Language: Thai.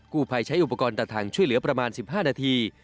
ผู้ภัยใช้อุปกรณ์ตัดทางช่วยเหลือประมาณ๑๕นาที